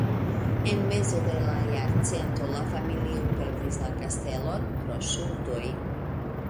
En mezo de la jarcento la familio perdis la kastelon pro ŝuldoj.